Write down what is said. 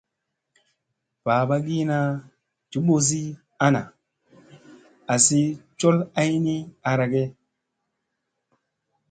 Babagina joɓozi ana azi col ay ni arage.